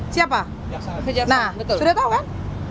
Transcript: siapa nah sudah tahu kan